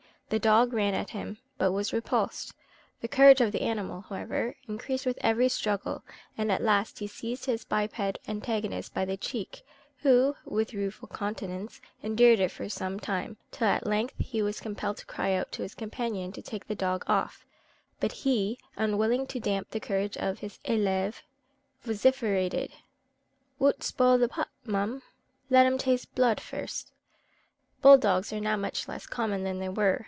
The dog ran at him, but was repulsed, the courage of the animal, however, increased with every struggle, and at last he seized his biped antagonist by the cheek, who, with rueful countenance, endured it for some time, till at length he was compelled to cry out to his companion to take the dog off; but he, unwilling to damp the courage of his élève, vociferated, "Woot spoil the pup, mun? let 'em taste bloode first!" Bull dogs are now much less common than they were.